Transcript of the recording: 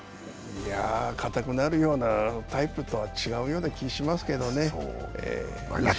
いや、硬くなるようなタイプとは違う気がしますけどね。